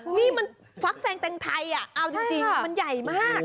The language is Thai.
นี่มันฟักแซงแตงไทยเอาจริงมันใหญ่มาก